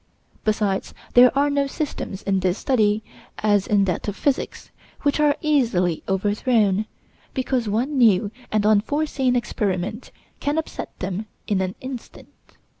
Besides, there are no systems in this study, as in that of physics, which are easily overthrown, because one new and unforeseen experiment can upset them in an instant.